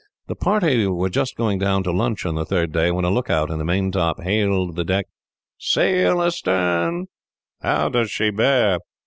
The party were just going down to lunch, on the third day, when a lookout in the maintop hailed the deck: "A sail astern." "How does she bear?"